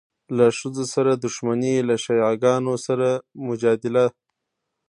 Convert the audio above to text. له ښځو سره دښمني، له شیعه ګانو سره مجادله.